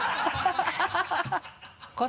ハハハ